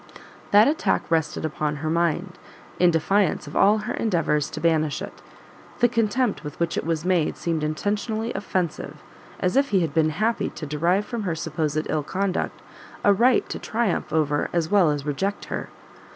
That attack rested upon her mind, in defiance of all her endeavours to banish it; the contempt with which it was made seemed intentionally offensive, as if he had been happy to derive from her supposed ill conduct, a right to triumph over as well as reject her.